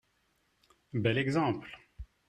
Bel exemple